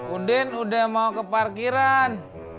udin udah mau ke parkiran